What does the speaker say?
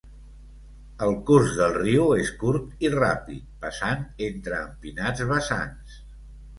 El curs del riu és curt i ràpid passant entre empinats vessants.